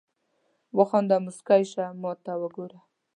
وخانده مسکی شه ماته وګوره